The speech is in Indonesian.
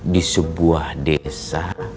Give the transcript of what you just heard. di sebuah desa